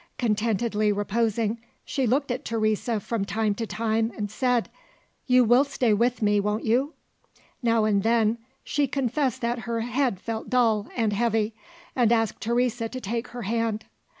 Contentedly reposing, she looked at Teresa from time to time and said, "You will stay with me, won't you?" Now and then, she confessed that her head felt dull and heavy, and asked Teresa to take her hand.